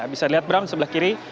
bisa dilihat bram di sebelah kiri